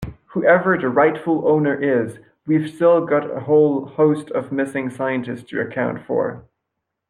Whoever the rightful owner is we've still got a whole host of missing scientists to account for.